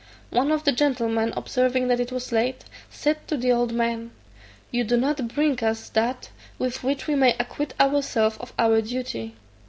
One of the gentlemen observing that it was late, said to the old man, "You do not bring us that with which we may acquit ourselves of our duty."